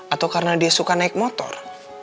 atau karena dia suka naik motor